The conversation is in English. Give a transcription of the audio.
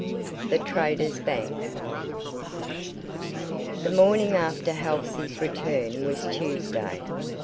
THE TRADERS' BANK The morning after Halsey's return was Tuesday.